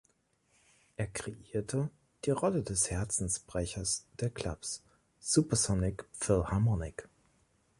Er kreierte die Rolle des Herzensbrechers der Clubs, Supersonic Phil Harmonic.